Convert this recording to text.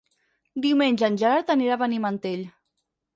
Diumenge en Gerard anirà a Benimantell.